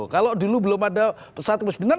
kalau dulu belum ada pesawat kemiskinan